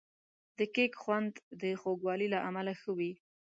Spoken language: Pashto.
د کیک خوند د خوږوالي له امله ښه وي.